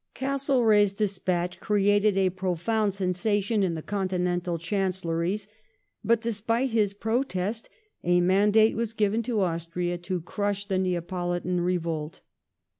^ Castlereagh's despatch created a profound sensation in the continental Chancelleries ; but despite his protest a mandate was given to Austria to crush the Neapolitan revolt.